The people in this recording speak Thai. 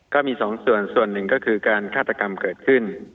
ก็มีสองส่วนส่วนหนึ่งก็คือการฆาตกรรมเกิดขึ้น